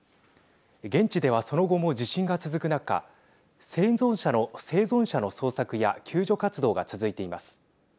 現地ではその後も地震が続く中生存者の捜索や救助活動が続いています。